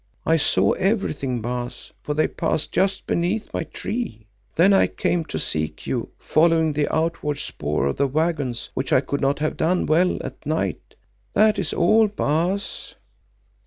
I saw everything, Baas, for they passed just beneath my tree. Then I came to seek you, following the outward spoor of the waggons which I could not have done well at night. That is all, Baas."